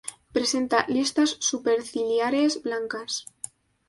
Presenta listas superciliares blancas.